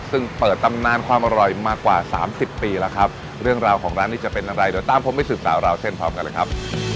ซึ่งเปิดตำนานความอร่อยมากว่าสามสิบปีแล้วครับเรื่องราวของร้านนี้จะเป็นอะไรเดี๋ยวตามผมไปสืบสาวราวเส้นพร้อมกันเลยครับ